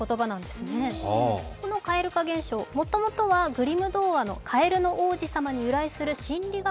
この蛙化現象、もともとはグリム童話「カエルの王子様」に由来する心理学